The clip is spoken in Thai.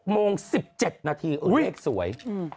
๖โมง๑๗นาทีเออเห็นก็สวย